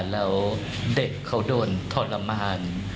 แล้วเด็กเขาโดนทรมาน